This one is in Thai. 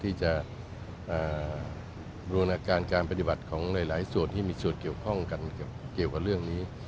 ที่จะบูรณาการการปฏิบัติของหลายส่วนที่มีส่วนเกี่ยวข้องกันเกี่ยวกับเรื่องนี้